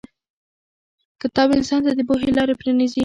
کتاب انسان ته د پوهې لارې پرانیزي.